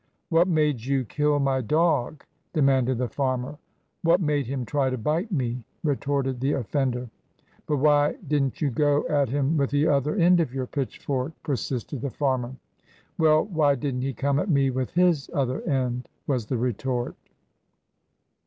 "'What made you kill my dog?' demanded the farmer. " 'What made him try to bite me?' retorted the offender. " 'But why did n't you go at him with the other end of your pitchfork?' persisted the farmer. 217 LINCOLN THE LAWYER "'Well, why did n't he come at me with his other end?' was the retort."